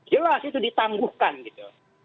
jelas itu ditangguhkan gitu